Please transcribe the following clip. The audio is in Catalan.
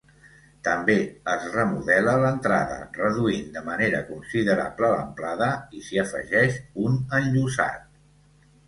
També es remodela l'entrada, reduint de manera considerable l'amplada, i s'hi afegeix un enllosat.